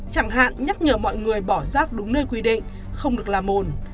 chẳng hạn nhắc nhở mọi người bỏ rác đúng nơi quy định không được làm mùn